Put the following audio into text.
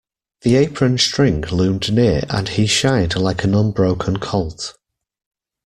The apron string loomed near and he shied like an unbroken colt.